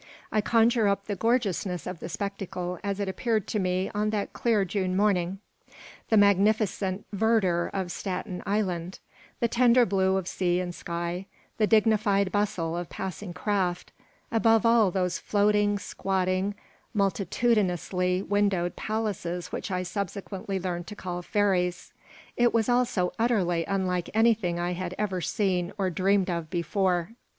I conjure up the gorgeousness of the spectacle as it appeared to me on that clear June morning: the magnificent verdure of Staten Island, the tender blue of sea and sky, the dignified bustle of passing craft above all, those floating, squatting, multitudinously windowed palaces which I subsequently learned to call ferries. It was all so utterly unlike anything I had ever seen or dreamed of before.